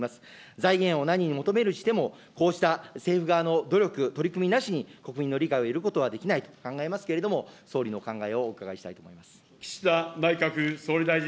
財源を何に求めるにしても、こうした政府側の努力、取り組みなしに、国民の理解を得ることはできないと考えますけれども、総理の考えをお伺いしたいと思います。